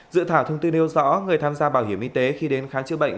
dự thảo thông tư nêu rõ người tham gia bảo hiểm y tế khi đến khám chữa bệnh